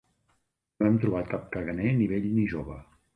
No hem trobat cap caganer, ni vell ni jove.